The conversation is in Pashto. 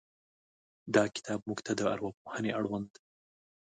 دا کتاب موږ ته د ارواپوهنې اړوند